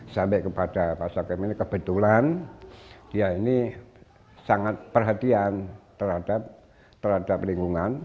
sampai kepada pak sakem ini kebetulan dia ini sangat perhatian terhadap lingkungan